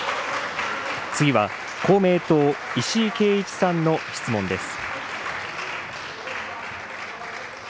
次は公明党、石井啓一さんの質問です。